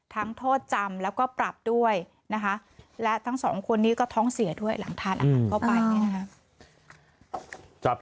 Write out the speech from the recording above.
โทษจำแล้วก็ปรับด้วยนะคะและทั้งสองคนนี้ก็ท้องเสียด้วยหลังทานอาหารเข้าไปเนี่ยนะคะ